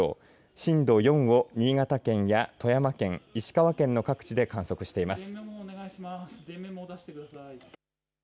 震度４を新潟県や富山県石川県の各地で観測しています。